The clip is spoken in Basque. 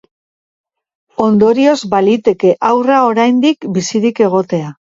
Ondorioz, baliteke haurra oraindik bizirik egotea.